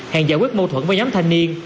hàng giải quyết mâu thuẫn với nhóm thanh niên